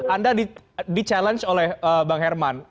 anda di challenge oleh bang herman